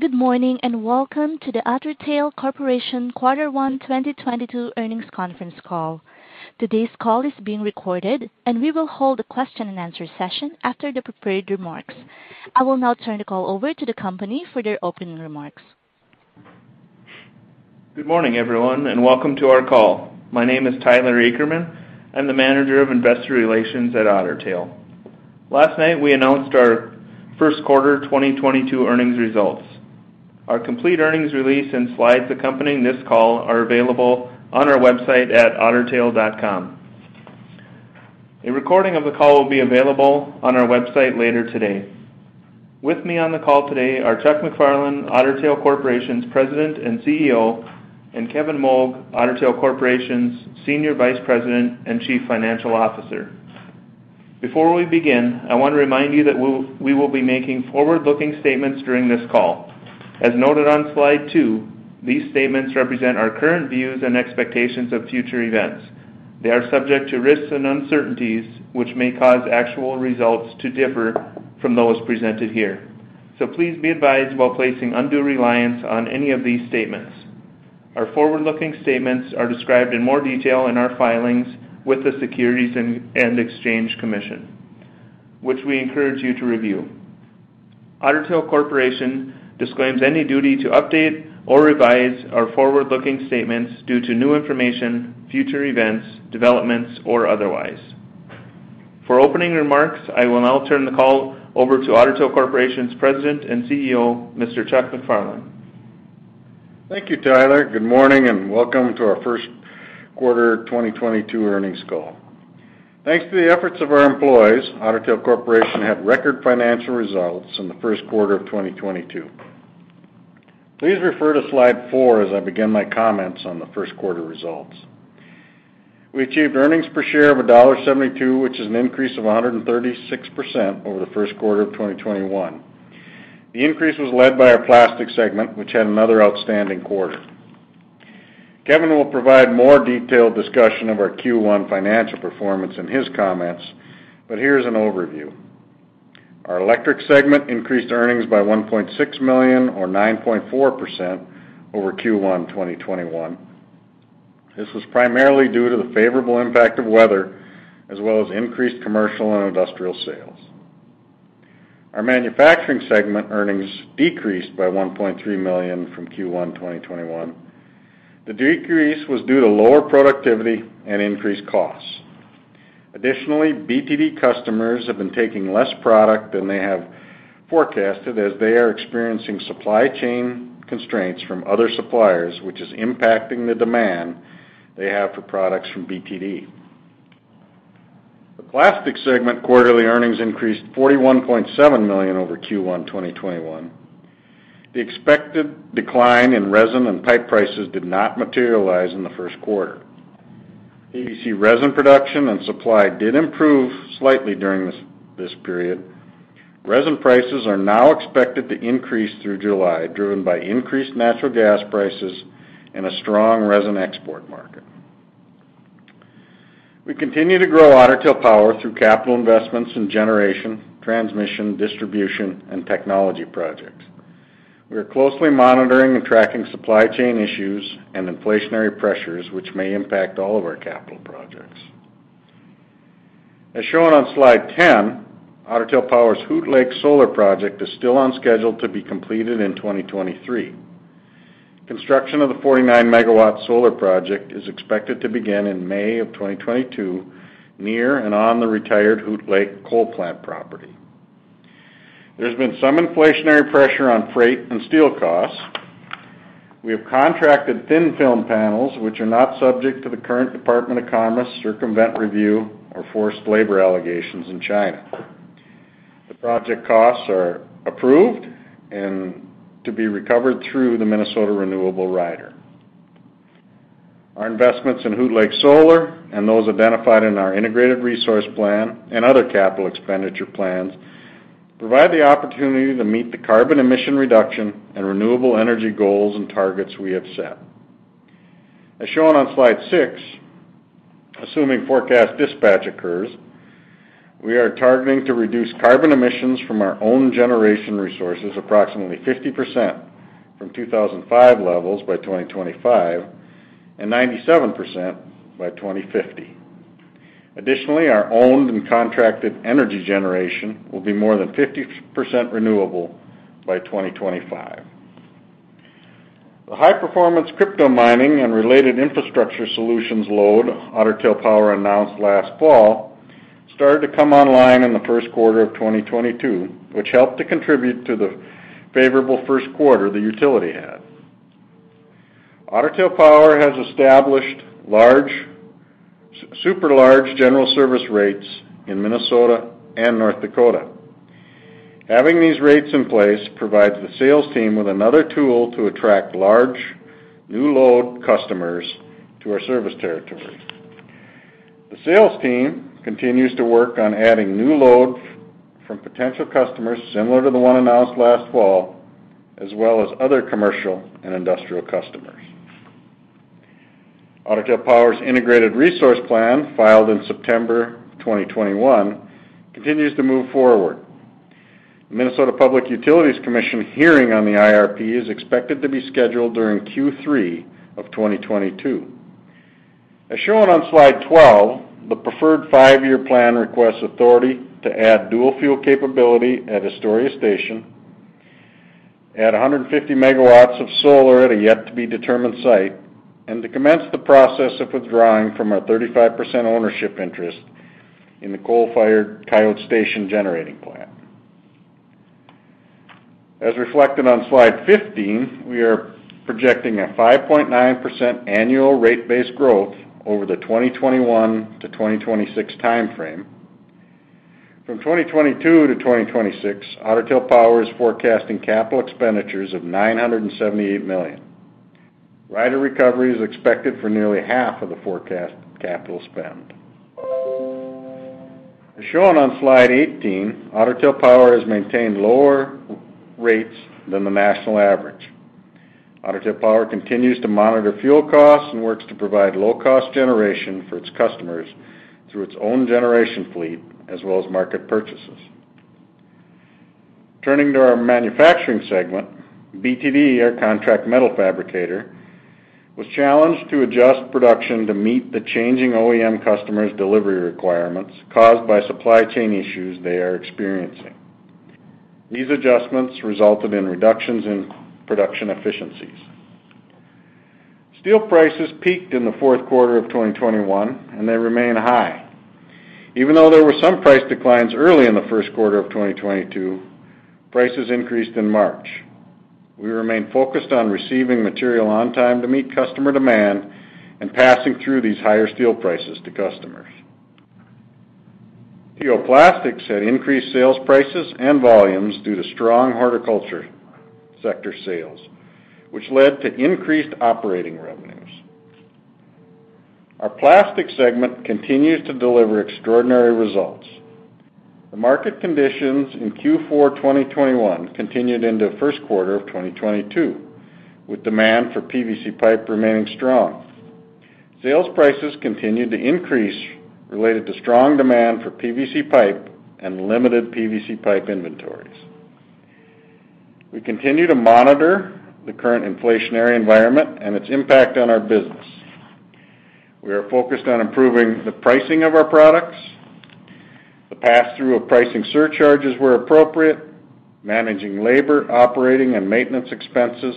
Good morning, and welcome to the Otter Tail Corporation Quarter 1 2022 Earnings Conference Call. Today's call is being recorded, and we will hold a question-and-answer session after the prepared remarks. I will now turn the call over to the company for their opening remarks. Good morning, everyone, and welcome to our call. My name is Tyler Akerman. I'm the Manager of Investor Relations at Otter Tail. Last night, we announced our first quarter 2022 earnings results. Our complete earnings release and slides accompanying this call are available on our website at ottertail.com. A recording of the call will be available on our website later today. With me on the call today are Chuck MacFarlane, Otter Tail Corporation's President and CEO, and Kevin Moug, Otter Tail Corporation's Senior Vice President and Chief Financial Officer. Before we begin, I wanna remind you that we will be making forward-looking statements during this call. As noted on slide 2, these statements represent our current views and expectations of future events. They are subject to risks and uncertainties, which may cause actual results to differ from those presented here. Please be advised while placing undue reliance on any of these statements. Our forward-looking statements are described in more detail in our filings with the Securities and Exchange Commission, which we encourage you to review. Otter Tail Corporation disclaims any duty to update or revise our forward-looking statements due to new information, future events, developments, or otherwise. For opening remarks, I will now turn the call over to Otter Tail Corporation's President and CEO, Mr. Chuck MacFarlane. Thank you, Tyler. Good morning, and welcome to our First Quarter 2022 Earnings Call. Thanks to the efforts of our employees, Otter Tail Corporation had record financial results in the first quarter of 2022. Please refer to slide 4 as I begin my comments on the first quarter results. We achieved earnings per share of $1.72, which is an increase of 136% over the first quarter of 2021. The increase was led by our plastic segment, which had another outstanding quarter. Kevin will provide more detailed discussion of our Q1 financial performance in his comments, but here's an overview. Our electric segment increased earnings by $1.6 million or 9.4% over Q1 2021. This was primarily due to the favorable impact of weather, as well as increased commercial and industrial sales. Our manufacturing segment earnings decreased by $1.3 million from Q1 2021. The decrease was due to lower productivity and increased costs. Additionally, BTD customers have been taking less product than they have forecasted as they are experiencing supply chain constraints from other suppliers, which is impacting the demand they have for products from BTD. The plastic segment quarterly earnings increased $41.7 million over Q1 2021. The expected decline in resin and pipe prices did not materialize in the first quarter. ABS resin production and supply did improve slightly during this period. Resin prices are now expected to increase through July, driven by increased natural gas prices and a strong resin export market. We continue to grow Otter Tail Power through capital investments in generation, transmission, distribution, and technology projects. We are closely monitoring and tracking supply chain issues and inflationary pressures, which may impact all of our capital projects. As shown on slide 10, Otter Tail Power's Hoot Lake Solar Project is still on schedule to be completed in 2023. Construction of the 49MW solar project is expected to begin in May 2022 near and on the retired Hoot Lake Plant property. There's been some inflationary pressure on freight and steel costs. We have contracted thin-film panels which are not subject to the current Department of Commerce circumvention review or forced labor allegations in China. The project costs are approved and to be recovered through the Minnesota Renewable Rider. Our investments in Hoot Lake Solar and those identified in our integrated resource plan and other capital expenditure plans provide the opportunity to meet the carbon emission reduction and renewable energy goals and targets we have set. As shown on slide 6, assuming forecast dispatch occurs, we are targeting to reduce carbon emissions from our own generation resources approximately 50% from 2005 levels by 2025 and 97% by 2050. Additionally, our owned and contracted energy generation will be more than 50% renewable by 2025. The high-performance crypto mining and related infrastructure solutions load Otter Tail Power announced last fall started to come online in the first quarter of 2022, which helped to contribute to the favorable first quarter the utility had. Otter Tail Power has established super large general service rates in Minnesota and North Dakota. Having these rates in place provides the sales team with another tool to attract large new load customers to our service territory. The sales team continues to work on adding new load from potential customers similar to the one announced last fall, as well as other commercial and industrial customers. Otter Tail Power's integrated resource plan, filed in September 2021, continues to move forward. The Minnesota Public Utilities Commission hearing on the IRP is expected to be scheduled during Q3 of 2022. As shown on slide 12, the preferred five-year plan requests authority to add dual fuel capability at Astoria Station, add 150 megawatts of solar at a yet to be determined site, and to commence the process of withdrawing from our 35% ownership interest in the coal-fired Coyote Station generating plant. As reflected on slide 15, we are projecting a 5.9% annual rate base growth over the 2021 to 2026 time frame. From 2022 to 2026, Otter Tail Power is forecasting capital expenditures of $978 million. Rider recovery is expected for nearly half of the forecast capital spend. As shown on slide 18, Otter Tail Power has maintained lower rates than the national average. Otter Tail Power continues to monitor fuel costs and works to provide low cost generation for its customers through its own generation fleet as well as market purchases. Turning to our manufacturing segment, BTD, our contract metal fabricator, was challenged to adjust production to meet the changing OEM customers' delivery requirements caused by supply chain issues they are experiencing. These adjustments resulted in reductions in production efficiencies. Steel prices peaked in the fourth quarter of 2021, and they remain high. Even though there were some price declines early in the first quarter of 2022, prices increased in March. We remain focused on receiving material on time to meet customer demand and passing through these higher steel prices to customers. T.O. Plastics had increased sales prices and volumes due to strong horticulture sector sales, which led to increased operating revenues. Our plastics segment continues to deliver extraordinary results. The market conditions in Q4 2021 continued into the first quarter of 2022, with demand for PVC pipe remaining strong. Sales prices continued to increase related to strong demand for PVC pipe and limited PVC pipe inventories. We continue to monitor the current inflationary environment and its impact on our business. We are focused on improving the pricing of our products, the pass-through of pricing surcharges where appropriate, managing labor, operating, and maintenance expenses,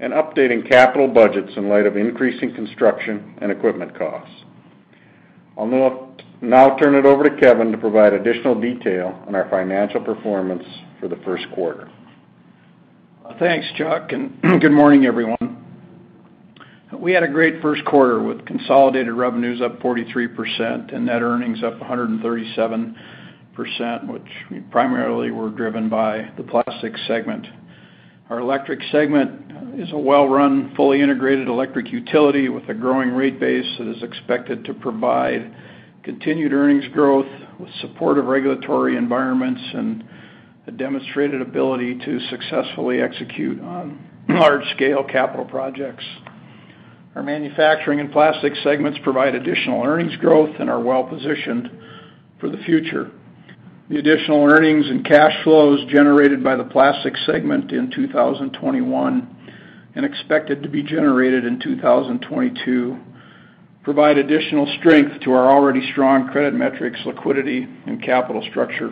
and updating capital budgets in light of increasing construction and equipment costs. I'll now turn it over to Kevin to provide additional detail on our financial performance for the first quarter. Thanks, Chuck, and good morning, everyone. We had a great first quarter with consolidated revenues up 43% and net earnings up 137%, which primarily were driven by the plastics segment. Our electric segment is a well-run, fully integrated electric utility with a growing rate base that is expected to provide continued earnings growth with supportive regulatory environments and a demonstrated ability to successfully execute on large-scale capital projects. Our manufacturing and plastics segments provide additional earnings growth and are well-positioned for the future. The additional earnings and cash flows generated by the plastics segment in 2021 and expected to be generated in 2022 provide additional strength to our already strong credit metrics, liquidity, and capital structure.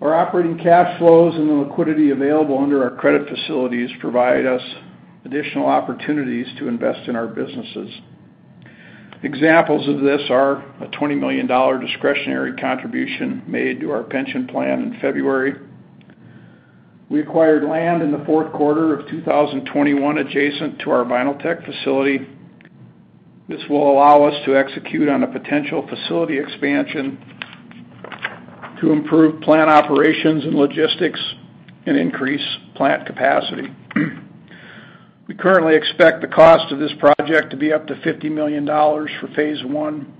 Our operating cash flows and the liquidity available under our credit facilities provide us additional opportunities to invest in our businesses. Examples of this are a $20 million discretionary contribution made to our pension plan in February. We acquired land in the fourth quarter of 2021 adjacent to our Vinyltech facility. This will allow us to execute on a potential facility expansion to improve plant operations and logistics and increase plant capacity. We currently expect the cost of this project to be up to $50 million for phase one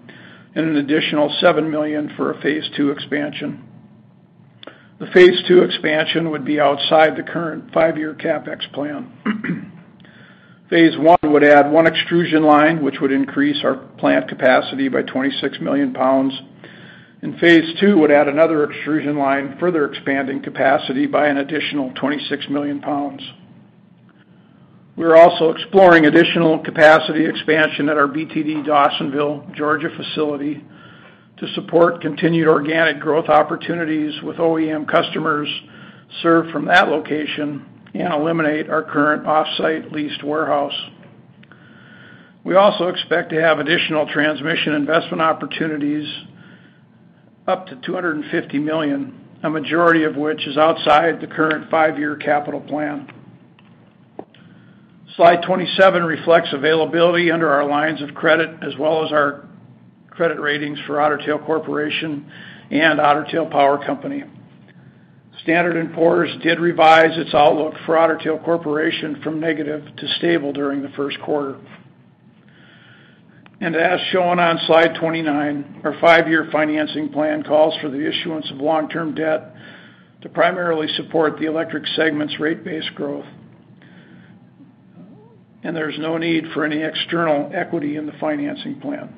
and an additional $7 million for a phase two expansion. The phase two expansion would be outside the current five-year CapEx plan. Phase one would add one extrusion line, which would increase our plant capacity by 26 million pounds, and phase two would add another extrusion line, further expanding capacity by an additional 26 million pounds. We are also exploring additional capacity expansion at our BTD Dawsonville, Georgia facility to support continued organic growth opportunities with OEM customers served from that location and eliminate our current off-site leased warehouse. We also expect to have additional transmission investment opportunities up to $250 million, a majority of which is outside the current five-year capital plan. Slide 27 reflects availability under our lines of credit as well as our credit ratings for Otter Tail Corporation and Otter Tail Power Company. Standard & Poor's did revise its outlook for Otter Tail Corporation from negative to stable during the first quarter. As shown on Slide 29, our five-year financing plan calls for the issuance of long-term debt to primarily support the electric segment's rate base growth. There's no need for any external equity in the financing plan.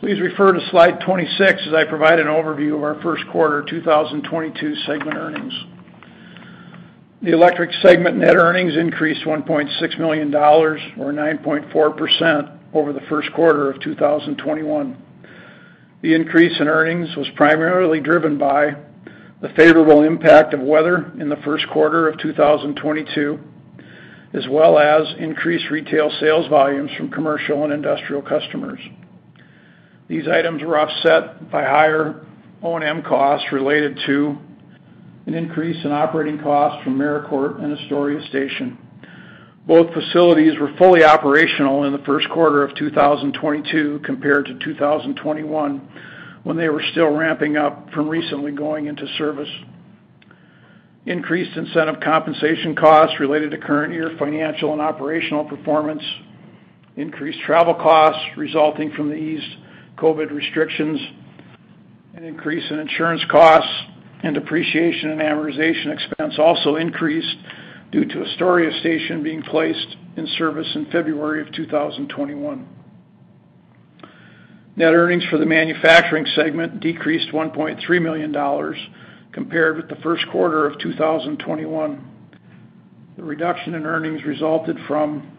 Please refer to slide 26 as I provide an overview of our first quarter 2022 segment earnings. The electric segment net earnings increased $1.6 million or 9.4% over the first quarter of 2021. The increase in earnings was primarily driven by the favorable impact of weather in the first quarter of 2022, as well as increased retail sales volumes from commercial and industrial customers. These items were offset by higher O&M costs related to an increase in operating costs from Merricourt and Astoria Station. Both facilities were fully operational in the first quarter of 2022 compared to 2021, when they were still ramping up from recently going into service. Increased incentive compensation costs related to current year financial and operational performance, increased travel costs resulting from the eased COVID restrictions, an increase in insurance costs, and depreciation and amortization expense also increased due to Astoria Station being placed in service in February of 2021. Net earnings for the manufacturing segment decreased $1.3 million compared with the first quarter of 2021. The reduction in earnings resulted from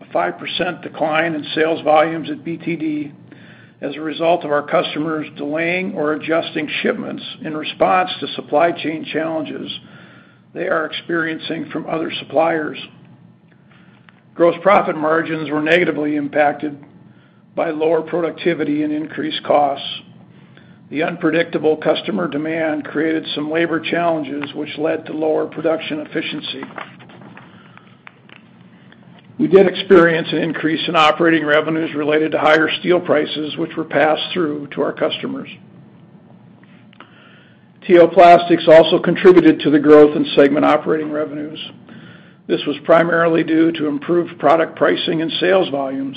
a 5% decline in sales volumes at BTD as a result of our customers delaying or adjusting shipments in response to supply chain challenges they are experiencing from other suppliers. Gross profit margins were negatively impacted by lower productivity and increased costs. The unpredictable customer demand created some labor challenges which led to lower production efficiency. We did experience an increase in operating revenues related to higher steel prices, which were passed through to our customers. T.O. Plastics also contributed to the growth in segment operating revenues. This was primarily due to improved product pricing and sales volumes.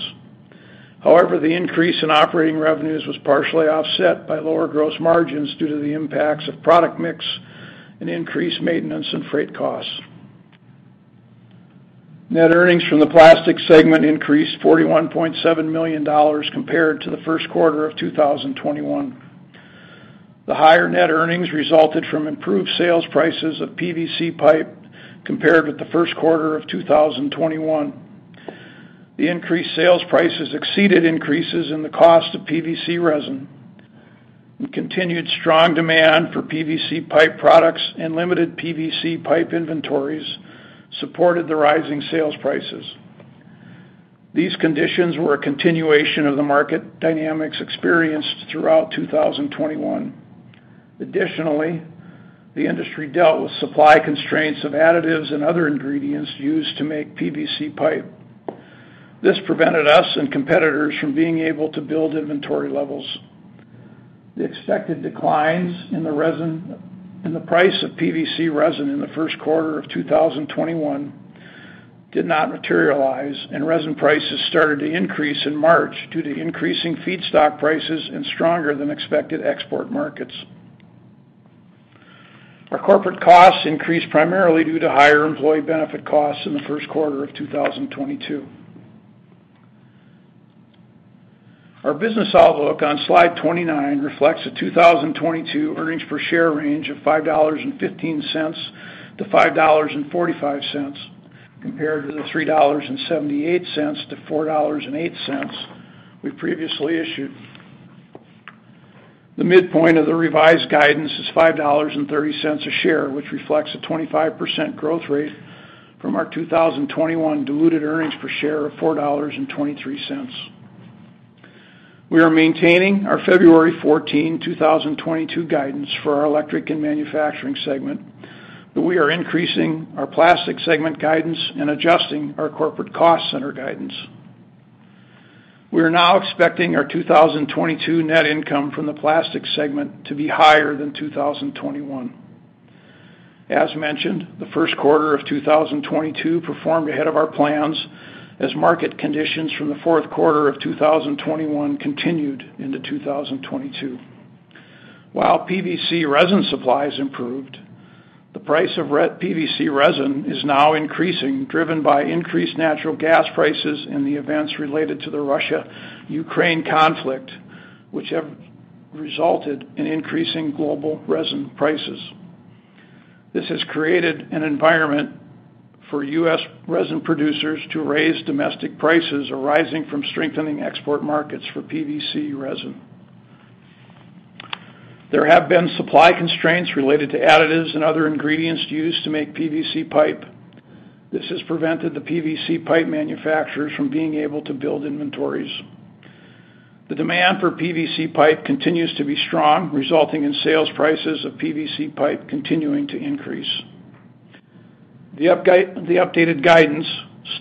However, the increase in operating revenues was partially offset by lower gross margins due to the impacts of product mix and increased maintenance and freight costs. Net earnings from the plastics segment increased $41.7 million compared to the first quarter of 2021. The higher net earnings resulted from improved sales prices of PVC pipe compared with the first quarter of 2021. The increased sales prices exceeded increases in the cost of PVC resin, and continued strong demand for PVC pipe products and limited PVC pipe inventories supported the rising sales prices. These conditions were a continuation of the market dynamics experienced throughout 2021. Additionally, the industry dealt with supply constraints of additives and other ingredients used to make PVC pipe. This prevented us and competitors from being able to build inventory levels. The expected declines in the price of PVC resin in the first quarter of 2021 did not materialize, and resin prices started to increase in March due to increasing feedstock prices and stronger than expected export markets. Our corporate costs increased primarily due to higher employee benefit costs in the first quarter of 2022. Our business outlook on slide 29 reflects a 2022 earnings per share range of $5.15-$5.45, compared to the $3.78-$4.08 we previously issued. The midpoint of the revised guidance is $5.30 a share, which reflects a 25% growth rate from our 2021 diluted earnings per share of $4.23. We are maintaining our February 14, 2022 guidance for our electric and manufacturing segment, but we are increasing our plastic segment guidance and adjusting our corporate cost center guidance. We are now expecting our 2022 net income from the plastics segment to be higher than 2021. As mentioned, the first quarter of 2022 performed ahead of our plans as market conditions from the fourth quarter of 2021 continued into 2022. While PVC resin supplies improved, the price of PVC resin is now increasing, driven by increased natural gas prices and the events related to the Russia-Ukraine conflict, which have resulted in increasing global resin prices. This has created an environment for US resin producers to raise domestic prices arising from strengthening export markets for PVC resin. There have been supply constraints related to additives and other ingredients used to make PVC pipe. This has prevented the PVC pipe manufacturers from being able to build inventories. The demand for PVC pipe continues to be strong, resulting in sales prices of PVC pipe continuing to increase. The updated guidance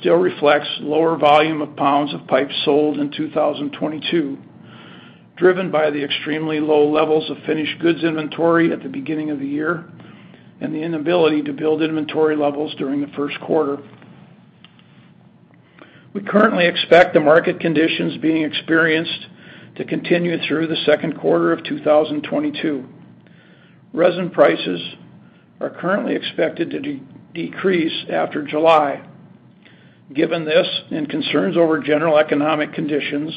still reflects lower volume of pounds of pipe sold in 2022, driven by the extremely low levels of finished goods inventory at the beginning of the year, and the inability to build inventory levels during the first quarter. We currently expect the market conditions being experienced to continue through the second quarter of 2022. Resin prices are currently expected to decrease after July. Given this, and concerns over general economic conditions,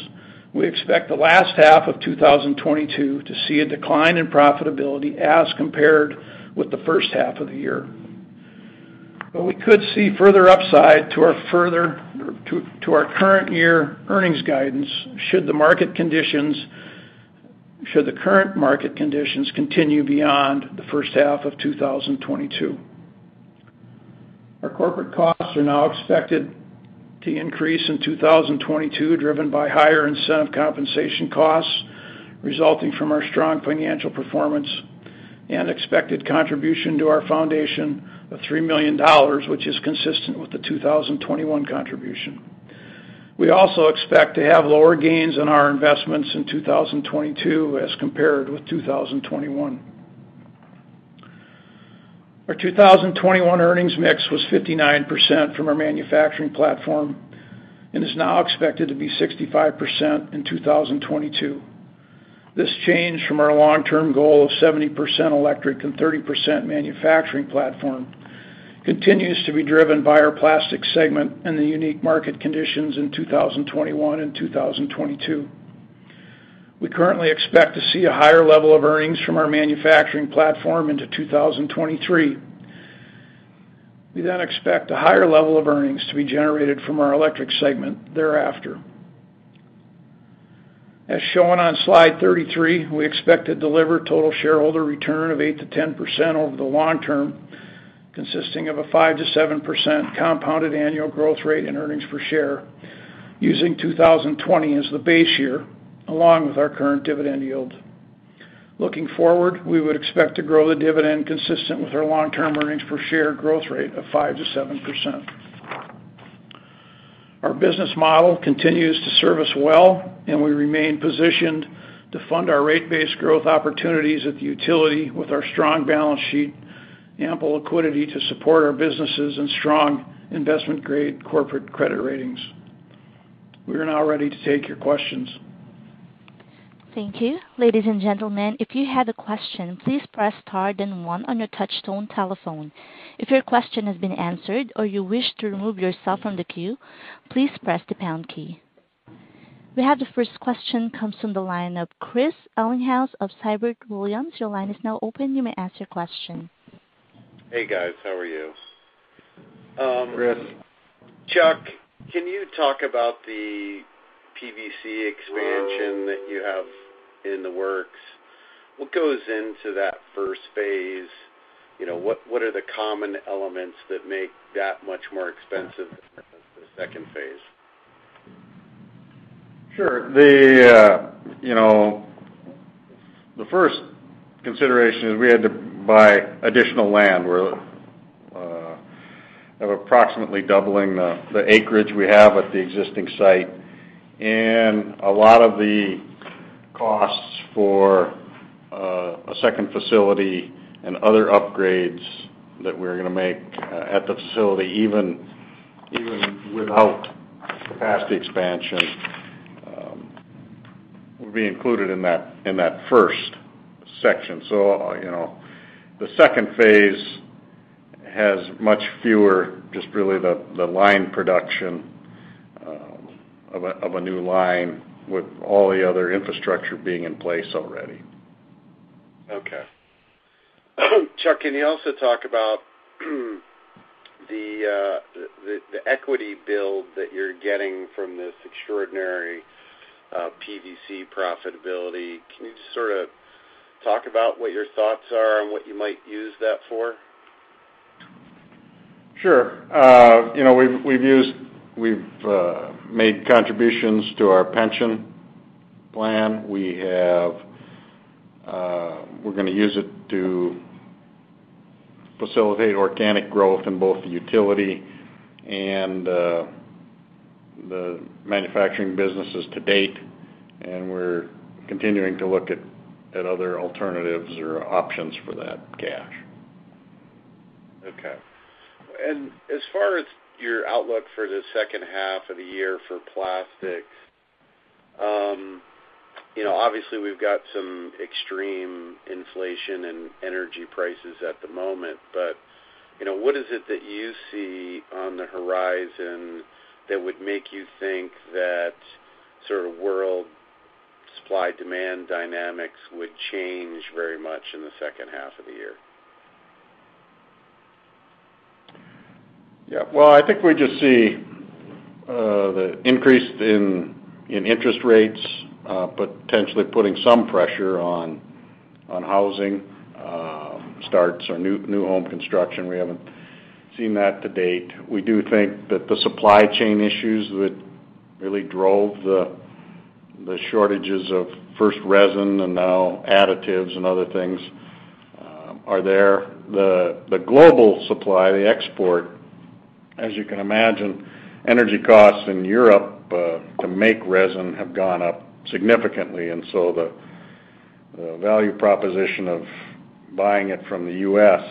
we expect the last half of 2022 to see a decline in profitability as compared with the first half of the year. We could see further upside to our current year earnings guidance should the current market conditions continue beyond the first half of 2022. Our corporate costs are now expected to increase in 2022, driven by higher incentive compensation costs resulting from our strong financial performance and expected contribution to our foundation of $3 million, which is consistent with the 2021 contribution. We also expect to have lower gains on our investments in 2022 as compared with 2021. Our 2021 earnings mix was 59% from our manufacturing platform, and is now expected to be 65% in 2022. This change from our long-term goal of 70% electric and 30% manufacturing platform continues to be driven by our plastic segment and the unique market conditions in 2021 and 2022. We currently expect to see a higher level of earnings from our manufacturing platform into 2023. We then expect a higher level of earnings to be generated from our electric segment thereafter. As shown on slide 33, we expect to deliver total shareholder return of 8%-10% over the long term, consisting of a 5%-7% compounded annual growth rate in earnings per share using 2020 as the base year, along with our current dividend yield. Looking forward, we would expect to grow the dividend consistent with our long-term earnings per share growth rate of 5%-7%. Our business model continues to serve us well, and we remain positioned to fund our rate-based growth opportunities at the utility with our strong balance sheet, ample liquidity to support our businesses, and strong investment-grade corporate credit ratings. We are now ready to take your questions. Thank you. Ladies and gentlemen, if you have a question, please press star then one on your touchtone telephone. If your question has been answered or you wish to remove yourself from the queue, please press the pound key. We have the first question comes from the line of Chris Ellinghaus of Siebert Williams Shank. Your line is now open. You may ask your question. Hey, guys. How are you? Chris. Chuck, can you talk about the PVC expansion that you have in the works? What goes into that first phase? You know, what are the common elements that make that much more expensive than the second phase? Sure. The first consideration is we had to buy additional land. We have approximately doubling the acreage we have at the existing site. A lot of the costs for a second facility and other upgrades that we're gonna make at the facility, even without capacity expansion, will be included in that first section. You know, the second phase has much fewer just really the line production of a new line with all the other infrastructure being in place already. Okay. Chuck, can you also talk about the equity build that you're getting from this extraordinary PVC profitability? Can you just sort of talk about what your thoughts are and what you might use that for? Sure. You know, we've made contributions to our pension plan. We have, we're gonna use it to facilitate organic growth in both the utility and the manufacturing businesses to date, and we're continuing to look at other alternatives or options for that cash. Okay. As far as your outlook for the second half of the year for plastics, you know, obviously, we've got some extreme inflation and energy prices at the moment. But, you know, what is it that you see on the horizon that would make you think that sort of world supply-demand dynamics would change very much in the second half of the year? Yeah. Well, I think we just see the increase in interest rates potentially putting some pressure on housing starts or new home construction. We haven't seen that to date. We do think that the supply chain issues that really drove the shortages of PVC resin and now additives and other things The global supply, the export, as you can imagine, energy costs in Europe to make resin have gone up significantly. The value proposition of buying it from the U.S.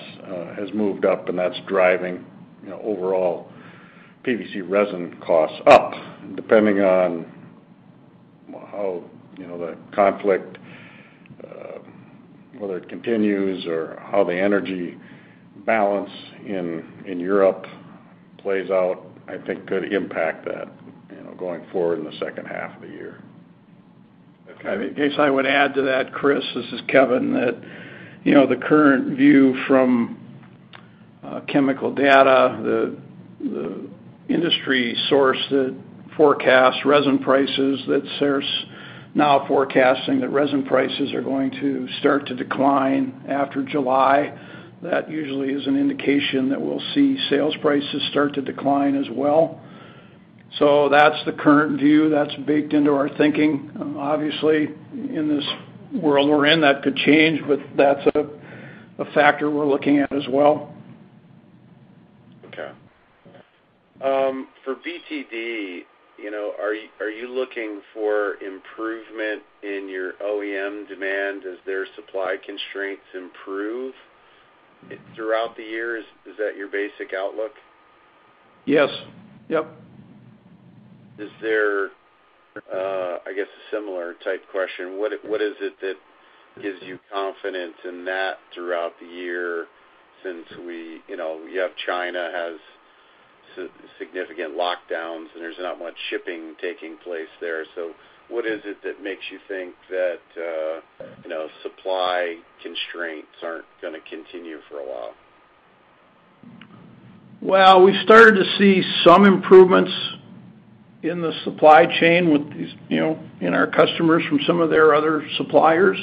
has moved up, and that's driving, you know, overall PVC resin costs up. Depending on how, you know, the conflict whether it continues or how the energy balance in Europe plays out, I think could impact that, you know, going forward in the second half of the year. Okay. I guess I would add to that, Chris. This is Kevin. You know, the current view from Chemical Data, the industry source that forecasts resin prices, that's they're now forecasting that resin prices are going to start to decline after July. That usually is an indication that we'll see sales prices start to decline as well. That's the current view. That's baked into our thinking. Obviously, in this world we're in, that could change. That's a factor we're looking at as well. Okay. For BTD, you know, are you looking for improvement in your OEM demand as their supply constraints improve throughout the year? Is that your basic outlook? Yes. Yep. Is there, I guess, a similar type question, what is it that gives you confidence in that throughout the year since, you know, China has significant lockdowns, and there's not much shipping taking place there. What is it that makes you think that, you know, supply constraints aren't gonna continue for a while? Well, we started to see some improvements in the supply chain with these, you know, in our customers from some of their other suppliers.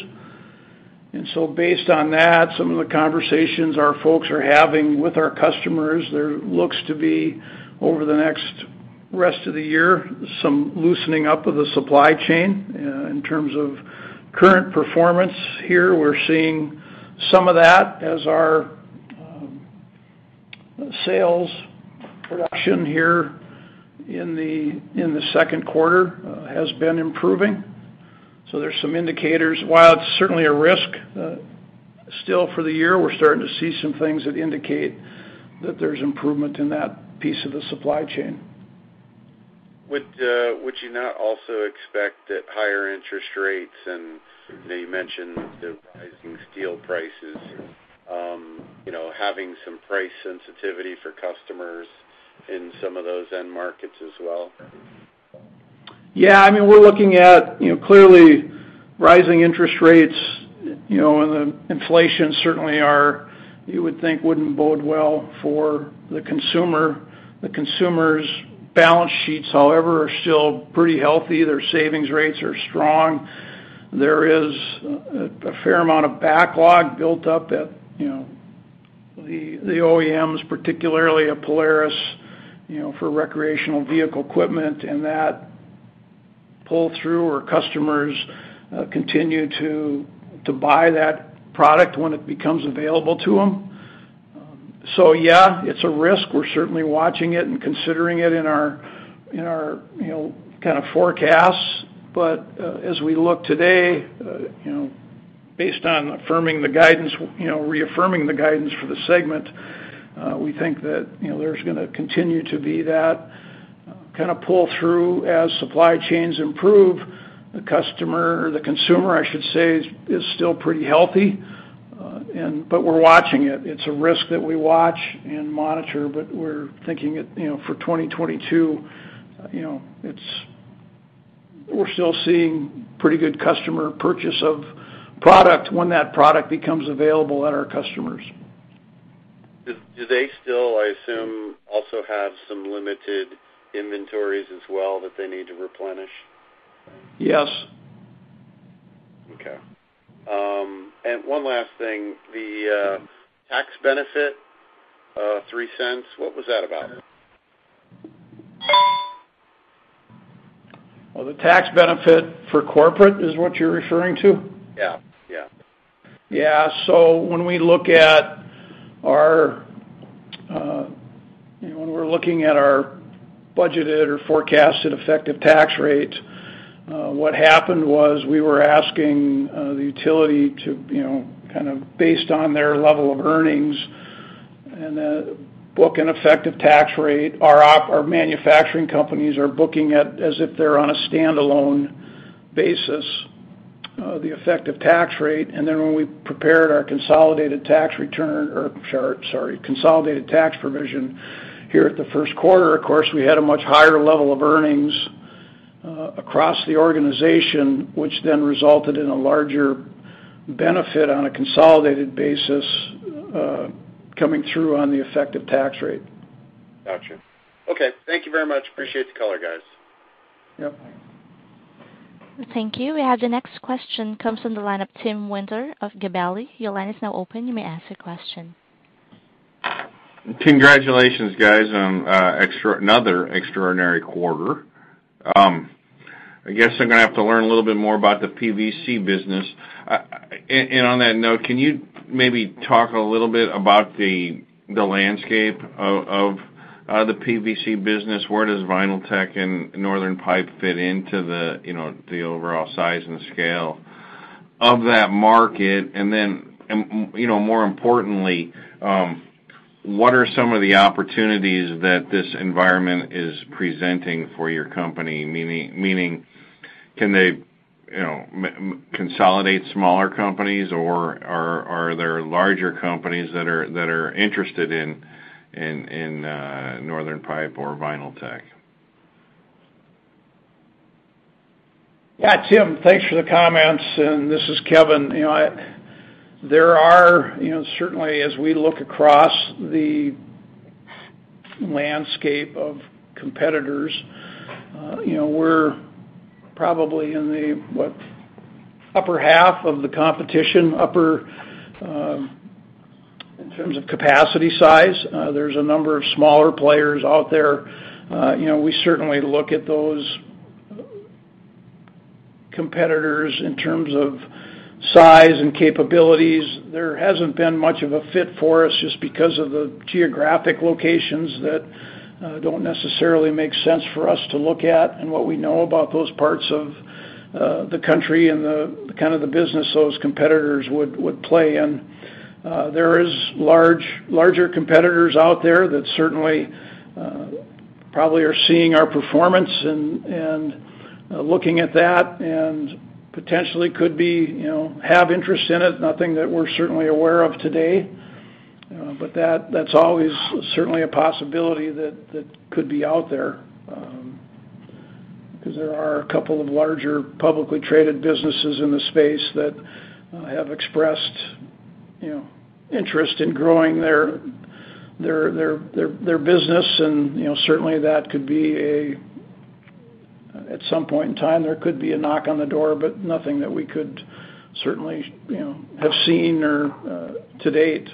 Based on that, some of the conversations our folks are having with our customers, there looks to be, over the next rest of the year, some loosening up of the supply chain. In terms of current performance here, we're seeing some of that as our sales production here in the second quarter has been improving. There's some indicators. While it's certainly a risk still for the year, we're starting to see some things that indicate that there's improvement in that piece of the supply chain. Would you not also expect that higher interest rates, and you know you mentioned the rising steel prices, you know, having some price sensitivity for customers in some of those end markets as well? Yeah. I mean, we're looking at, you know, clearly rising interest rates, you know, and the inflation certainly are, you would think, wouldn't bode well for the consumer. The consumers' balance sheets, however, are still pretty healthy. Their savings rates are strong. There is a fair amount of backlog built up at, you know, the OEMs, particularly at Polaris, you know, for recreational vehicle equipment, and that pull-through where customers continue to buy that product when it becomes available to them. Yeah, it's a risk. We're certainly watching it and considering it in our, you know, kind of forecasts. As we look today, you know, based on affirming the guidance, you know, reaffirming the guidance for the segment, we think that, you know, there's gonna continue to be that kinda pull through as supply chains improve. The customer, or the consumer, I should say, is still pretty healthy. We're watching it. It's a risk that we watch and monitor, but we're thinking it, you know, for 2022, you know, we're still seeing pretty good customer purchase of product when that product becomes available at our customers. Do they still, I assume, also have some limited inventories as well that they need to replenish? Yes. Okay. One last thing. The tax benefit, $0.03, what was that about? Well, the tax benefit for corporate is what you're referring to? Yeah. Yeah. Yeah. When we look at our, you know, budgeted or forecasted effective tax rate, what happened was we were asking the utility to, you know, kind of based on their level of earnings and book an effective tax rate. Our manufacturing companies are booking at as if they're on a standalone basis the effective tax rate. Then when we prepared our consolidated tax return, or sorry, consolidated tax provision here at the first quarter, of course, we had a much higher level of earnings across the organization, which then resulted in a larger benefit on a consolidated basis coming through on the effective tax rate. Gotcha. Okay. Thank you very much. Appreciate the color, guys. Yep. Thank you. We have the next question comes from the line of Tim Winter of Gabelli. Your line is now open. You may ask your question. Congratulations guys on another extraordinary quarter. I guess I'm gonna have to learn a little bit more about the PVC business. On that note, can you maybe talk a little bit about the landscape of the PVC business? Where does Vinyltech and Northern Pipe fit into the you know the overall size and scale of that market? More importantly, what are some of the opportunities that this environment is presenting for your company? Meaning can they you know consolidate smaller companies or are there larger companies that are interested in Northern Pipe or Vinyltech? Yeah, Tim, thanks for the comments, and this is Kevin. You know, there are, you know, certainly as we look across the landscape of competitors, you know, we're probably in the upper half of the competition, upper in terms of capacity size. There's a number of smaller players out there. You know, we certainly look at those competitors in terms of size and capabilities. There hasn't been much of a fit for us just because of the geographic locations that don't necessarily make sense for us to look at and what we know about those parts of the country and the kind of the business those competitors would play in. There are larger competitors out there that certainly probably are seeing our performance and looking at that and potentially could be, you know, have interest in it. Nothing that we're certainly aware of today. That's always certainly a possibility that could be out there because there are a couple of larger publicly traded businesses in the space that have expressed, you know, interest in growing their business. You know, certainly that could be at some point in time, there could be a knock on the door, nothing that we could certainly, you know, have seen or to date.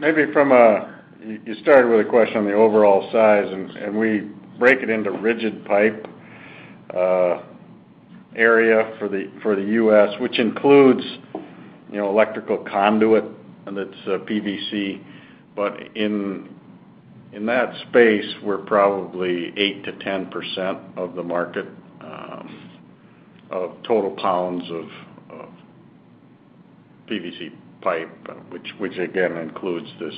You started with a question on the overall size, and we break it into rigid pipe area for the U.S., which includes, you know, electrical conduit, and it's PVC. But in that space, we're probably 8%-10% of the market of total pounds of PVC pipe, which again includes this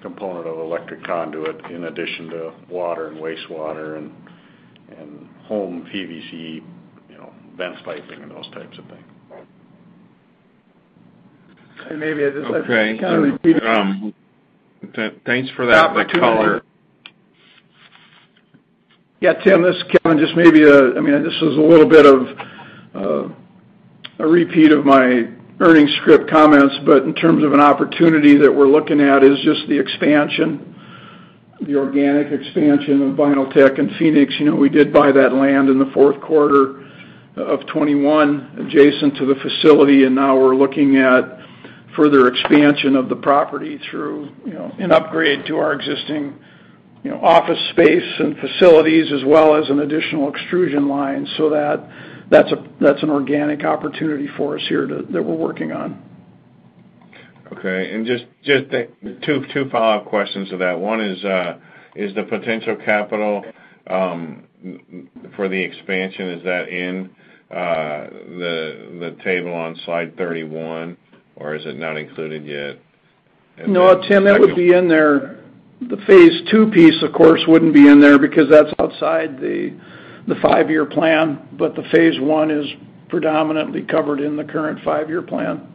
component of electrical conduit in addition to water and wastewater and home PVC, you know, vent piping and those types of things. Maybe I just have to kind of repeat. Okay. Thanks for that, the color. Yeah, Tim, this is Kevin. Just maybe I mean, this is a little bit of a repeat of my earnings script comments, but in terms of an opportunity that we're looking at is just the expansion, the organic expansion of Vinyltech Corporation in Phoenix. You know, we did buy that land in the fourth quarter of 2021 adjacent to the facility, and now we're looking at further expansion of the property through, you know, an upgrade to our existing, you know, office space and facilities as well as an additional extrusion line. So that's an organic opportunity for us here that we're working on. Okay. Just 2 follow-up questions to that. One is, the potential capital for the expansion, is that in the table on slide 31, or is it not included yet? No, Tim, that would be in there. The phase two piece, of course, wouldn't be in there because that's outside the five-year plan, but the phase one is predominantly covered in the current five-year plan.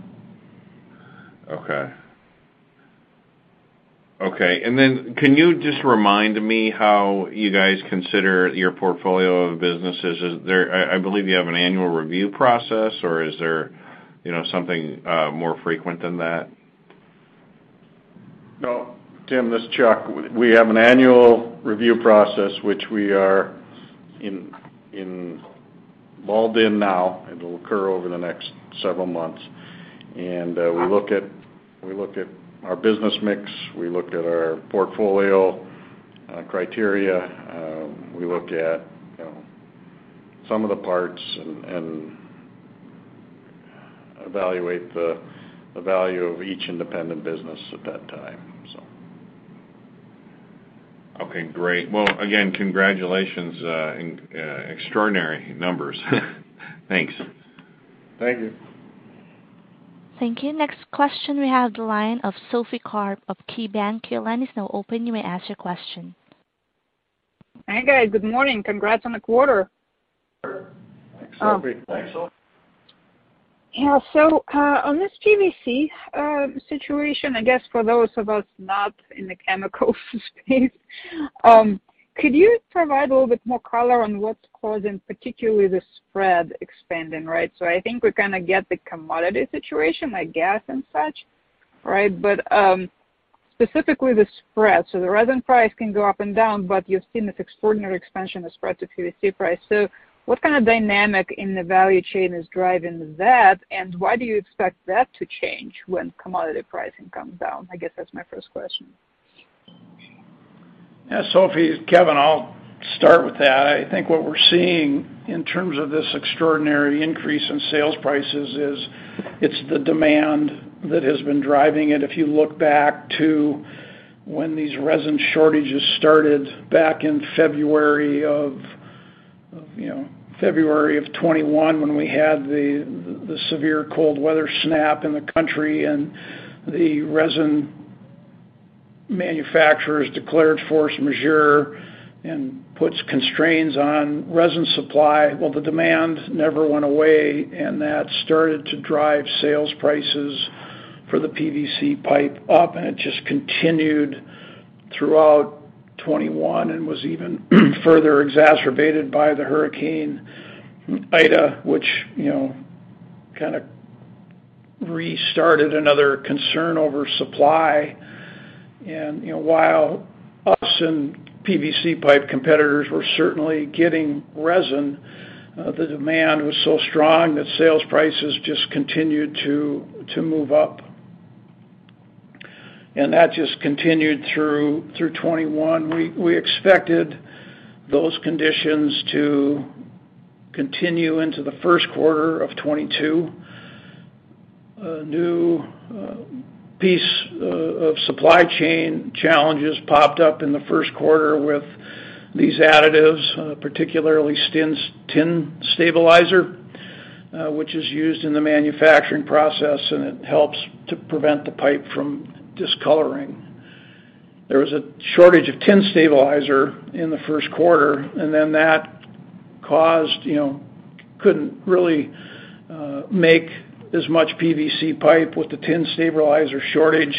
Okay. Can you just remind me how you guys consider your portfolio of businesses? I believe you have an annual review process, or is there, you know, something more frequent than that? No, Tim, this is Chuck. We have an annual review process which we are involved in now. It'll occur over the next several months. We look at our business mix. We look at our portfolio criteria. We look at, you know, some of the parts and evaluate the value of each independent business at that time. Okay, great. Well, again, congratulations on extraordinary numbers. Thanks. Thank you. Thank you. Next question we have the line of Sophie Karp of KeyBank. Your line is now open. You may ask your question. Hi, guys. Good morning. Congrats on the quarter. Thanks, Sophie. Thanks, Sophie. Yeah. On this PVC situation, I guess for those of us not in the chemical space, could you provide a little bit more color on what's causing particularly the spread expanding, right? I think we kind of get the commodity situation, like gas and such, right? Specifically the spread. The resin price can go up and down, but you've seen this extraordinary expansion of spread to PVC price. What kind of dynamic in the value chain is driving that? Why do you expect that to change when commodity pricing comes down? I guess that's my first question. Yeah, Sophie, Kevin, I'll start with that. I think what we're seeing in terms of this extraordinary increase in sales prices is it's the demand that has been driving it. If you look back to when these resin shortages started back in February of, you know, February of 2021 when we had the severe cold weather snap in the country, and the resin manufacturers declared force majeure and puts constraints on resin supply. Well, the demand never went away, and that started to drive sales prices for the PVC pipe up, and it just continued throughout 2021 and was even further exacerbated by the Hurricane Ida, which, you know, kind of restarted another concern over supply. You know, while us and PVC pipe competitors were certainly getting resin, the demand was so strong that sales prices just continued to move up. That just continued through 2021. We expected those conditions to continue into the first quarter of 2022. A new piece of supply chain challenges popped up in the first quarter with these additives, particularly tin stabilizer, which is used in the manufacturing process, and it helps to prevent the pipe from discoloring. There was a shortage of tin stabilizer in the first quarter, and then that caused you know, couldn't really make as much PVC pipe with the tin stabilizer shortage.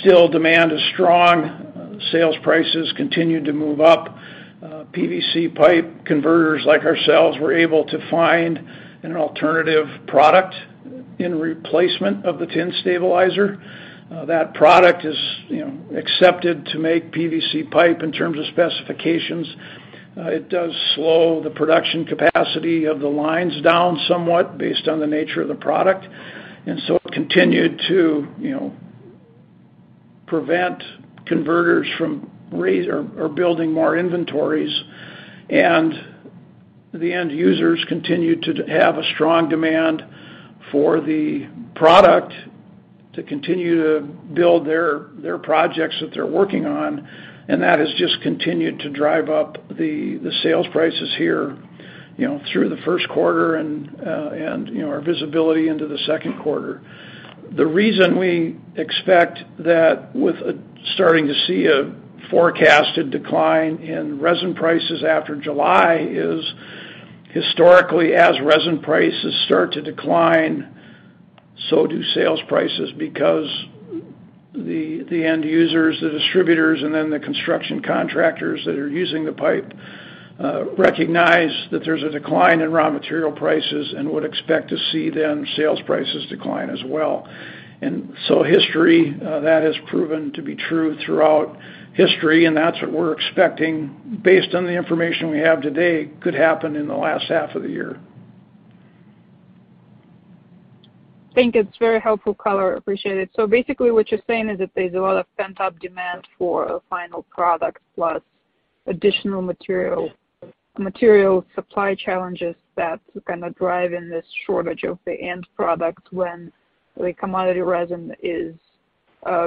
Still demand is strong. Sales prices continued to move up. PVC pipe converters like ourselves were able to find an alternative product in replacement of the tin stabilizer. That product is you know, accepted to make PVC pipe in terms of specifications. It does slow the production capacity of the lines down somewhat based on the nature of the product. It continued to, you know, prevent converters from building more inventories. The end users continued to have a strong demand for the product to continue to build their projects that they're working on. That has just continued to drive up the sales prices here, you know, through the first quarter and our visibility into the second quarter. The reason we expect that with starting to see a forecasted decline in resin prices after July is historically, as resin prices start to decline, so do sales prices because the end users, the distributors, and then the construction contractors that are using the pipe recognize that there's a decline in raw material prices and would expect to see then sales prices decline as well. History that has proven to be true throughout history, and that's what we're expecting based on the information we have today could happen in the last half of the year. Thank you. It's very helpful color. Appreciate it. Basically, what you're saying is that there's a lot of pent-up demand for a final product plus additional material supply challenges that's kind of driving this shortage of the end product when the commodity resin is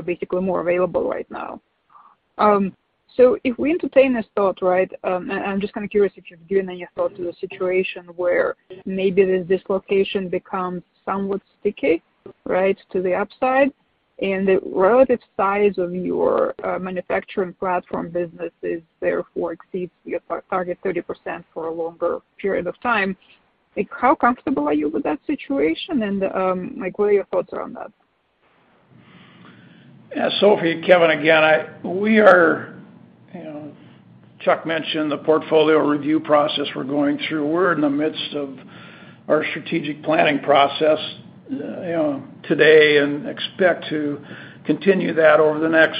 basically more available right now. If we entertain this thought, right, and I'm just kind of curious if you've given any thought to the situation where maybe the dislocation becomes somewhat sticky, right, to the upside, and the relative size of your manufacturing platform business is therefore exceeds your target 30% for a longer period of time. Like, how comfortable are you with that situation? Like, what are your thoughts around that? Yeah, Sophie, Kevin, again, we are, you know, Chuck mentioned the portfolio review process we're going through. We're in the midst of our strategic planning process, you know, today and expect to continue that over the next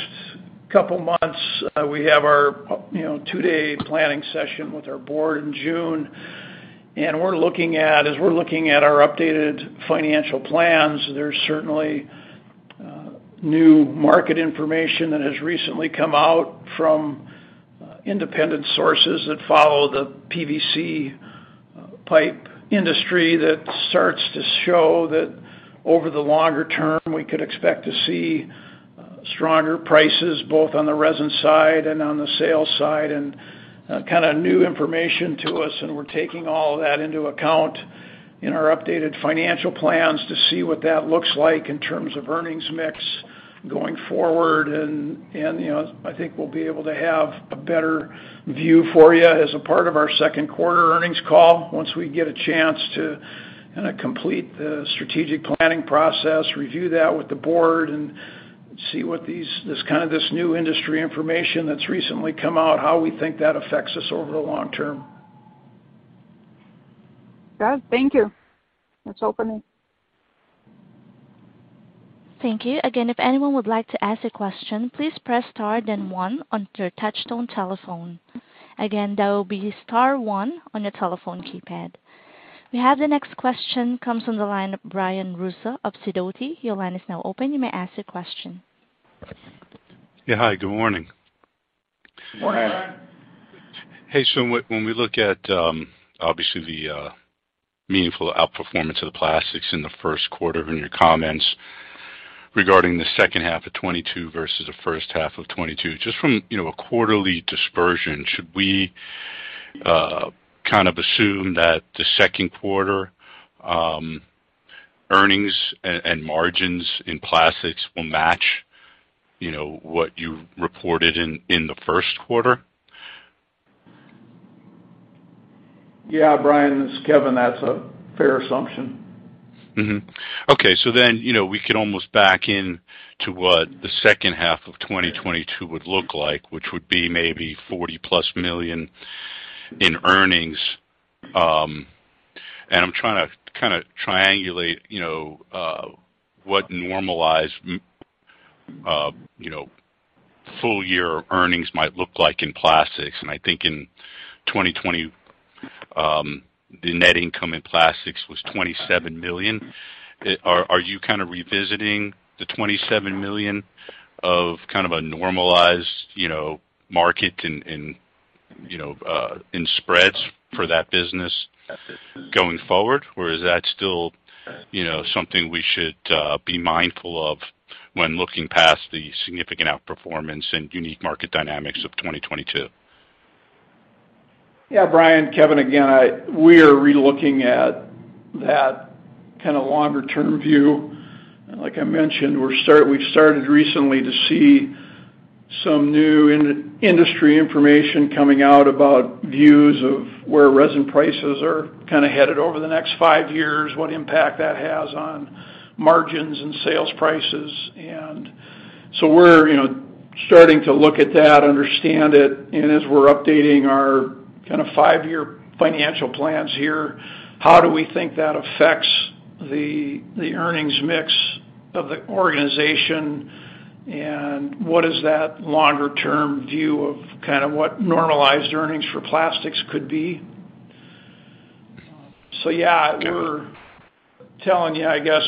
couple months. We have our, you know, two-day planning session with our board in June. We're looking at our updated financial plans, there's certainly new market information that has recently come out from independent sources that follow the PVC pipe industry that starts to show that over the longer term, we could expect to see stronger prices both on the resin side and on the sales side, and kind of new information to us, and we're taking all of that into account in our updated financial plans to see what that looks like in terms of earnings mix going forward. You know, I think we'll be able to have a better view for you as a part of our second quarter earnings call once we get a chance to kinda complete the strategic planning process, review that with the board and see what this kind of new industry information that's recently come out, how we think that affects us over the long term. Got it. Thank you. Let's open it. Thank you. Again, if anyone would like to ask a question, please press star then one on your touch tone telephone. Again, that will be star one on your telephone keypad. We have the next question comes from the line of Brian Russo of Sidoti. Your line is now open. You may ask your question. Yeah. Hi, good morning. Morning. Hey, when we look at obviously the meaningful outperformance of the plastics in the first quarter in your comments regarding the second half of 2022 versus the first half of 2022, just from, you know, a quarterly dispersion, should we kind of assume that the second quarter earnings and margins in plastics will match, you know, what you reported in the first quarter? Yeah, Brian, this is Kevin. That's a fair assumption. We could almost back in to what the second half of 2022 would look like, which would be maybe $40+ million in earnings. I'm trying to kinda triangulate, you know, what normalized, you know, full year earnings might look like in plastics. I think in 2020, the net income in plastics was $27 million. Are you kinda revisiting the $27 million of kind of a normalized, you know, market in, you know, in spreads for that business going forward? Or is that still, you know, something we should be mindful of when looking past the significant outperformance and unique market dynamics of 2022? Yeah, Brian, Kevin again. We are re-looking at that kinda longer term view. Like I mentioned, we've started recently to see some new in-industry information coming out about views of where resin prices are kinda headed over the next five years, what impact that has on margins and sales prices. We're, you know, starting to look at that, understand it. As we're updating our kinda five-year financial plans here, how do we think that affects the earnings mix of the organization? What is that longer term view of kind of what normalized earnings for plastics could be? Yeah- Okay. We're telling you, I guess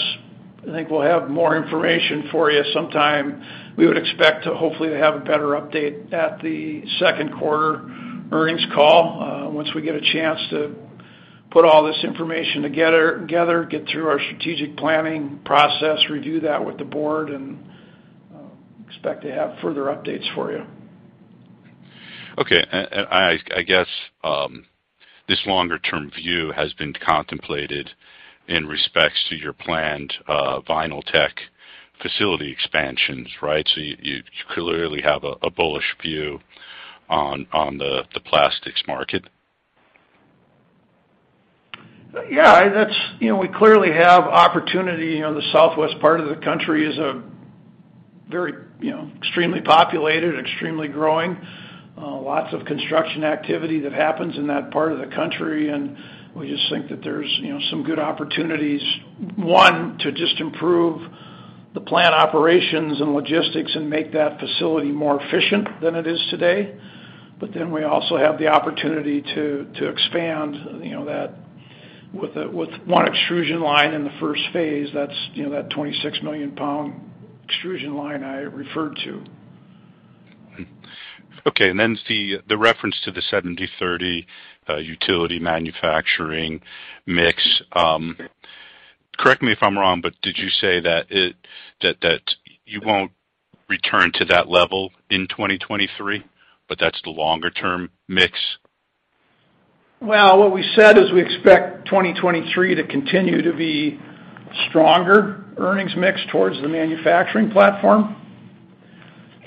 I think we'll have more information for you sometime. We would expect to hopefully have a better update at the second quarter earnings call, once we get a chance to put all this information together, get through our strategic planning process, review that with the board and expect to have further updates for you. Okay. I guess this longer term view has been contemplated in respects to your planned Vinyltech facility expansions, right? You clearly have a bullish view on the plastics market. Yeah. You know, we clearly have opportunity on the southwest part of the country is a very, you know, extremely populated, extremely growing, lots of construction activity that happens in that part of the country. We just think that there's, you know, some good opportunities, one, to just improve the plant operations and logistics and make that facility more efficient than it is today. We also have the opportunity to expand, you know, that with one extrusion line in the first phase, that's, you know, that 26 million pound extrusion line I referred to. Okay. The reference to the 70/30 utility manufacturing mix. Correct me if I'm wrong, but did you say that you won't return to that level in 2023, but that's the longer term mix? Well, what we said is we expect 2023 to continue to be stronger earnings mix towards the manufacturing platform.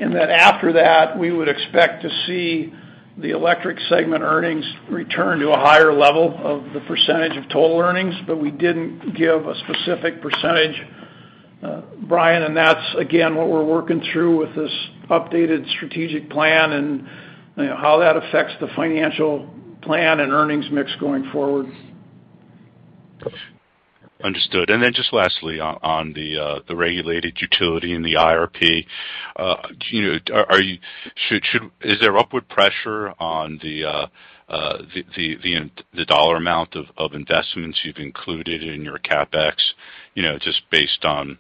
Then after that, we would expect to see the electric segment earnings return to a higher level of the percentage of total earnings, but we didn't give a specific percentage, Brian. That's again, what we're working through with this updated strategic plan and, you know, how that affects the financial plan and earnings mix going forward. Understood. Just lastly on the regulated utility and the IRP, you know, is there upward pressure on the dollar amount of investments you've included in your CapEx, you know, just based on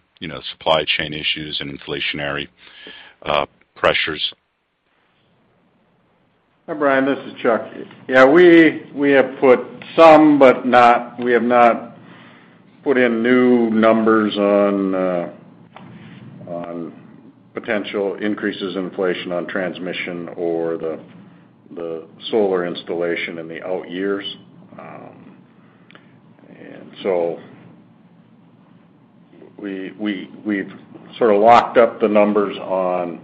supply chain issues and inflationary pressures? Hi, Brian, this is Chuck. Yeah, we have not put in new numbers on potential increases in inflation on transmission or the solar installation in the out years. We've sort of locked up the numbers on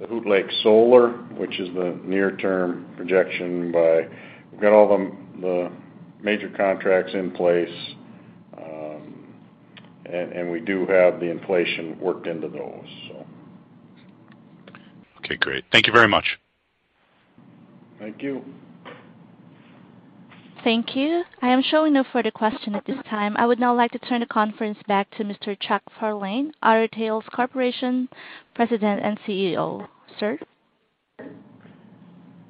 the Hoot Lake Solar, which is the near term projection. We've got all the major contracts in place, and we do have the inflation worked into those, so. Okay, great. Thank you very much. Thank you. Thank you. I am showing no further question at this time. I would now like to turn the conference back to Mr. Chuck MacFarlane, Otter Tail Corporation's President and CEO. Sir?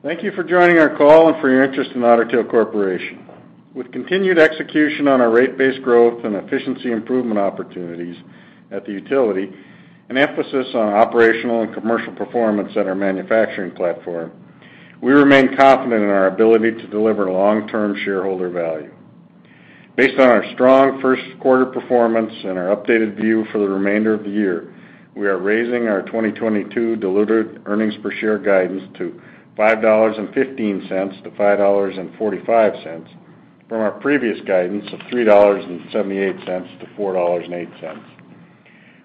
Thank you for joining our call and for your interest in Otter Tail Corporation. With continued execution on our rate-based growth and efficiency improvement opportunities at the utility and emphasis on operational and commercial performance at our manufacturing platform, we remain confident in our ability to deliver long-term shareholder value. Based on our strong first quarter performance and our updated view for the remainder of the year, we are raising our 2022 diluted earnings per share guidance to $5.15-$5.45 from our previous guidance of $3.78-$4.08.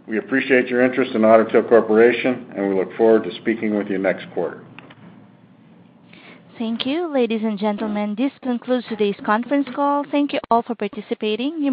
We appreciate your interest in Otter Tail Corporation, and we look forward to speaking with you next quarter. Thank you. Ladies and gentlemen, this concludes today's conference call. Thank you all for participating.